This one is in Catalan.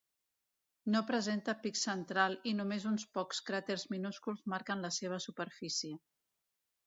No presenta pic central, i només uns pocs cràters minúsculs marquen la seva superfície.